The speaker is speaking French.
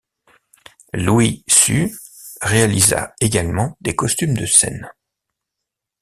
Louis Süe réalisa également des costumes de scène.